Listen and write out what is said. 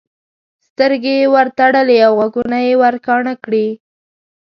سترګې یې ورتړلې او غوږونه یې ورکاڼه کړي.